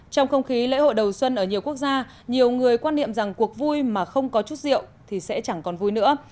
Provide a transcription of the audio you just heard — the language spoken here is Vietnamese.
trong không khí lễ hội đầu xuân ở nhiều quốc gia nhiều người quan niệm rằng cuộc vui mà không có chút rượu thì sẽ chẳng còn vui nữa